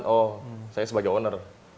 oh saya sebagai owner